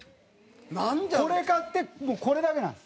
これ買ってもう、これだけなんです。